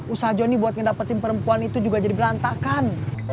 usaha johnny buat ngedapetin perempuan itu juga jadi berantakan